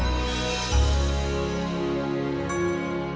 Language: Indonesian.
bengkak iri berubah kembali